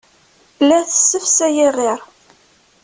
La tessefsay iɣir.